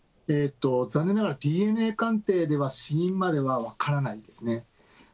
残念ながらＤＮＡ鑑定では死因までは分からないですね。